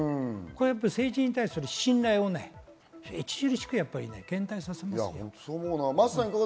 政治に対する信頼を著しく減退させます。